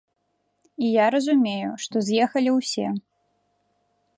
І я разумею, што з'ехалі ўсе.